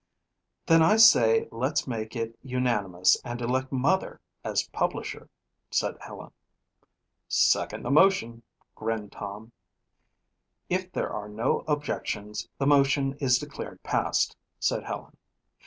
"Then I say let's make it unanimous and elect mother as publisher," said Helen. "Second the motion," grinned Tom. "If there are no objections, the motion is declared passed," said Helen.